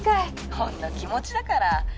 ほんの気持ちだから。